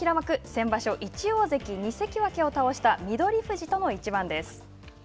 先場所一大関二関脇を倒した翠富士との一番です。